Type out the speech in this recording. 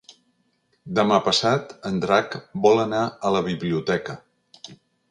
Demà passat en Drac vol anar a la biblioteca.